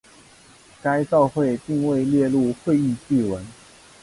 该照会并未列入会议记文。